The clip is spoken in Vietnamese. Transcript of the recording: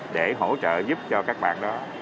để hỗ trợ giúp cho các bạn đó